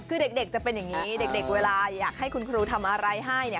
คือเด็กจะเป็นอย่างนี้เด็กเวลาอยากให้คุณครูทำอะไรให้เนี่ย